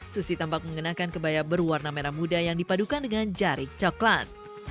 susi tampak mengenakan kebaya berwarna merah muda yang dipadukan dengan jari coklat